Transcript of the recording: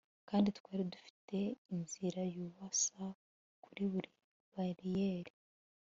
kandi twari dufite inzira yubusa kuri buri bariyeri